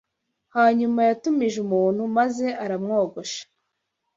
Hanyuma yatumije umuntu maze aramwogosha